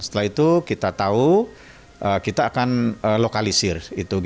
setelah itu kita tahu kita akan lokalisir